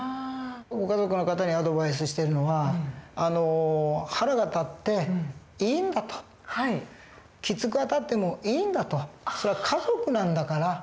ご家族の方にアドバイスしてるのは腹が立っていいんだときつくあたってもいいんだとそれは家族なんだから。